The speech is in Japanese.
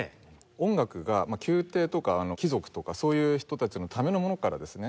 音楽が宮廷とか貴族とかそういう人たちのためのものからですね